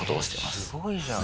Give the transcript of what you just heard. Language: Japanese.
えっすごいじゃん。